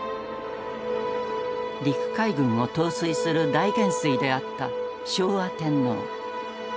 陸海軍を統帥する大元帥であった昭和天皇。